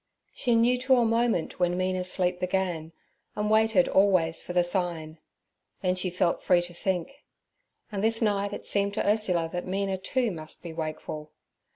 She knew to a moment when Mina's sleep began, and waited always for the sign, then she felt free to think; and this night it seemed to Ursula that Mina, too, must be wakeful.